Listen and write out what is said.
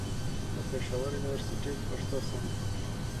د پېښور يونيورسټۍ، پښتو څانګه